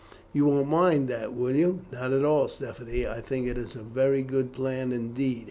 You won't mind that, will you?" "Not at all, Stephanie; I think that it is a very good plan indeed."